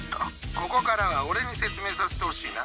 ここからは俺に説明させてほしいな。